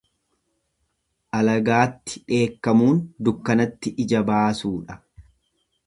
Alagaatti dheekkamuun dukkanatti ija baasuudha.